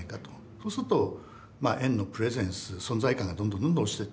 そうすると円のプレゼンス存在感がどんどんどんどん落ちてってしまう。